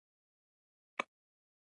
بست د تشکیل یوه برخه ده.